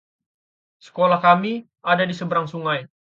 Sekolah kami ada di seberang sungai.